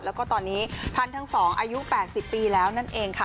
แล้วก็ตอนนี้ท่านทั้งสองอายุ๘๐ปีแล้วนั่นเองค่ะ